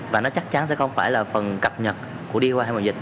và nó chắc chắn sẽ không phải là phần cập nhật của đi qua hai mùa dịch